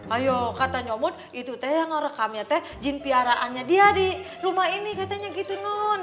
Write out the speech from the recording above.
ayo kata nyomud itu teh yang ngerekamnya teh jin piaraannya dia di rumah ini katanya gitu nun